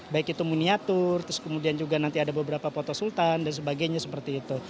baik itu miniatur terus kemudian juga nanti ada beberapa foto sultan dan sebagainya seperti itu